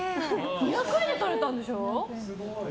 ２００円でとれたんでしょ。